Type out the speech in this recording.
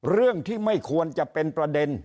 เรื่องที่ไม่ควรจะเป็นประเด็น